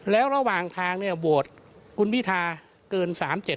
แล้วระหว่างทางโหวดคุณพิธาเกิน๓๗๖